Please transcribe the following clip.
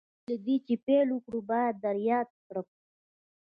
مخکې له دې چې پیل وکړو باید در یاده کړم